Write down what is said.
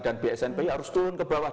dan bsnpi harus turun ke bawah